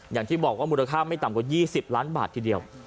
อย่างที่บอกว่ามูลค่าไม่ต่ำกว่า๒๐ล้านบาททีเดียว